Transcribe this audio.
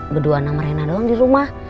berdua nama rena doang di rumah